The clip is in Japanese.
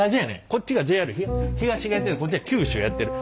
こっちがＪＲ東がやっててこっちは九州やってる。